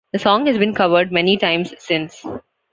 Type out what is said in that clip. The song has been covered many times since.